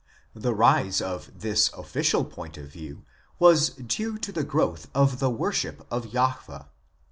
The rise of this official point of view was due to the growth of the worship of Jahwe.